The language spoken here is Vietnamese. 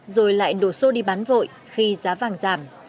rồi lại đổ xô đi bán vội khi giá vàng giảm